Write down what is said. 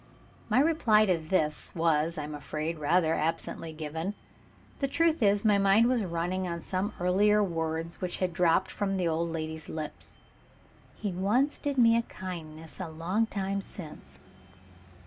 My reply to this was, I am afraid, rather absently given. The truth is, my mind was running on some earlier words which had dropped from the old lady's lips. "He once did me a kindness a long time since."